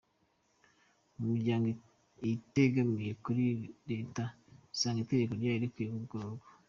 mu miryango itegamiye kuri Leta isanga itegeko ryari rikwiye kugororwa.